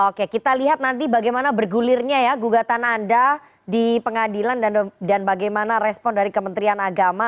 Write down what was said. oke kita lihat nanti bagaimana bergulirnya ya gugatan anda di pengadilan dan bagaimana respon dari kementerian agama